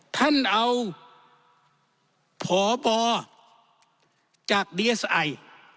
ท่านเอาพบจากดีเอสไอ